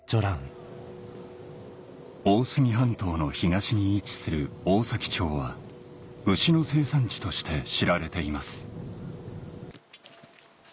大隅半島の東に位置する大崎町は牛の生産地として知られています